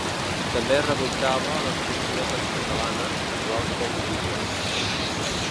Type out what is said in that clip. També rebutjava les postures anticatalanes, igual com Guille.